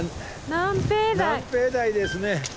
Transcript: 南平台ですね。